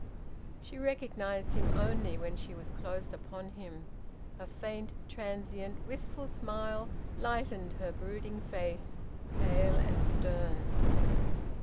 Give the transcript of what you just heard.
She recognised him only when she was close upon him. A faint, transient, wistful smile lightened her brooding face, pale and stern.